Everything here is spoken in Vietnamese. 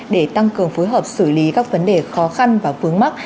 để tăng cường phối hợp xử lý các vấn đề khó khăn và vướng mắc